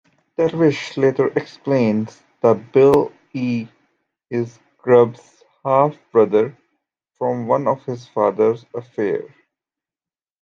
Dervish later explains that Bill-E is Grubbs' half-brother from one of his father's affairs.